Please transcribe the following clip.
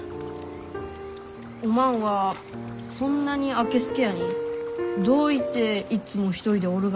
おまんはそんなにあけすけやにどういていっつも一人でおるがじゃ？